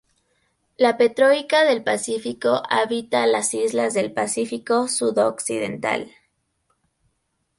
La petroica del Pacífico habita las islas del Pacífico sudoccidental.